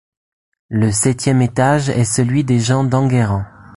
Le septième étage est celui des gens d’Enguerrand.